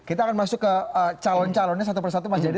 kita akan masuk ke calon calonnya satu persatu mas jadi